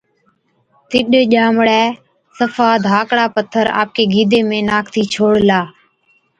تِڏ ڄامڙَي صفا ڌاڪڙي پٿر آپڪي گِيدي ۾ ناکتِي ڇوڙلَي۔